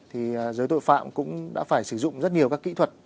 thì giới tội phạm cũng đã phải sử dụng rất nhiều các kỹ thuật